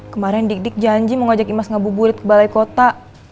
kemarin dik dik janji mau ngajak imas ngabuburit ke balai kota